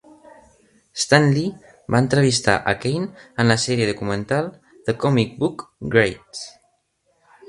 Stan Lee va entrevistar a Kane en la sèrie documental "The Comic Book Greats".